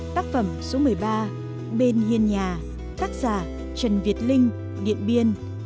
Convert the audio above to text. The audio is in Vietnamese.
tác phẩm số một mươi ba bên hiên nhà tác giả trần việt linh điện biên